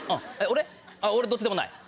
俺どっちでもない。